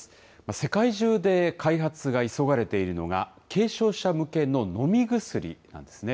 世界中で開発が急がれているのが、軽症者向けの飲み薬なんですね。